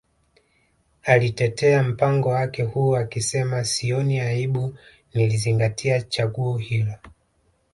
Alitetea mpango wake huo akisema Sioni aibu nilizingatia chaguo hilo